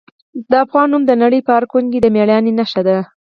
د افغان نوم د نړۍ په هر کونج کې د میړانې نښه ده.